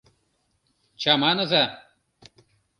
Чаманыза!